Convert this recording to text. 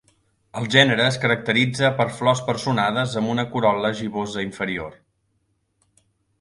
El gènere es caracteritza per flors personades amb una corol·la gibosa inferior.